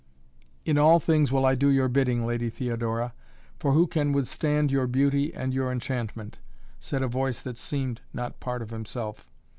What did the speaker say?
"In all things will I do your bidding, Lady Theodora, for who can withstand your beauty and your enchantment?" said a voice that seemed not part of himself.